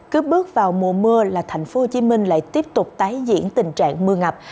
cứ bước vào mùa mưa là thành phố hồ chí minh lại tiếp tục tái diễn tình trạng mưa ngập